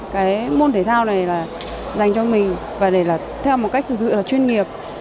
sao này là dành cho mình và để là theo một cách dự dự là chuyên nghiệp